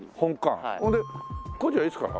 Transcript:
それで工事はいつから？